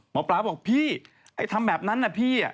หมอปลาบอกพี่ไอ้ทำแบบนั้นนะพี่